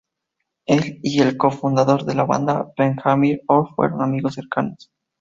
Él y el co-fundador de la banda, Benjamin Orr, fueron amigos cercanos.